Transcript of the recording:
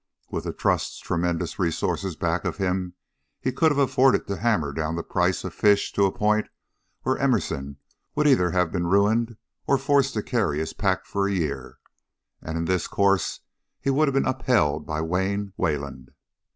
With the Trust's tremendous resources back of him, he could have afforded to hammer down the price of fish to a point where Emerson would either have been ruined or forced to carry his pack for a year, and in this course he would have been upheld by Wayne Wayland.